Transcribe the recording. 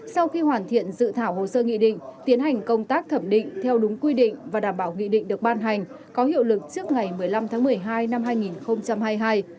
sau khi hoàn thiện dự thảo hồ sơ nghị định tiến hành công tác thẩm định theo đúng quy định và đảm bảo nghị định được ban hành có hiệu lực trước ngày một mươi năm tháng một mươi hai năm hai nghìn hai mươi hai